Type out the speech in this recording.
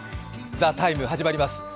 「ＴＨＥＴＩＭＥ，」、始まります。